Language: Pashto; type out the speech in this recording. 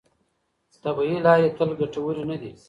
طبیعي لارې تل ګټورې نه دي.